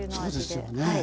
そうですよね。